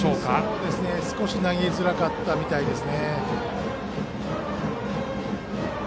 少し投げづらかったみたいです。